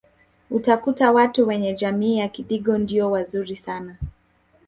utakuta watu wenye jamii ya kidigo ndio wazuri sana